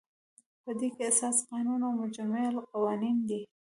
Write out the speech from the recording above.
په دې کې اساسي قانون او مجمع القوانین دي.